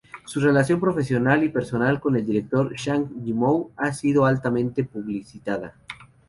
Su relación profesional y personal con el director Zhang Yimou ha sido altamente publicitada.